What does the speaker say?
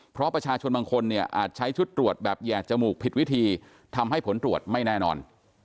เพราะประชาชนบางคนเนี่ยอาจใช้ชุดตรวจแบบแห่จมูกผิดวิธีทำให้ผลตรวจไม่แน่นอน